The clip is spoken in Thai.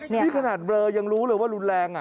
นี่ขนาดเบลอยังรู้เลยว่ารุนแรง